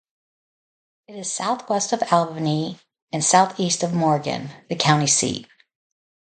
It is southwest of Albany and southeast of Morgan, the county seat.